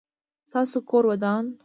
ستاسو کور ودان؟